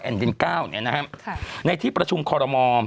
๙๙๙๙๙๙๙๙๙๙๙๙๙๙๙๙๙๙๙๙๙เนี่ยนะครับในที่ประชุมคารมอน